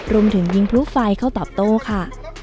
รวมถึงยิงพลุไฟเข้าตอบโต้ค่ะ